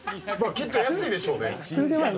きっと安いでしょうね。